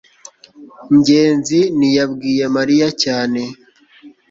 ngenzi ntiyabwiye mariya cyane